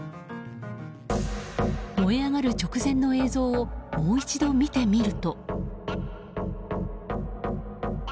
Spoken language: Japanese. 燃え上がる直前の映像をもう一度、見てみると。